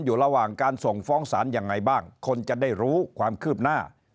อยู่ระหว่างการส่งฟ้องศาลยังไงบ้างคนจะได้รู้ความคืบหน้า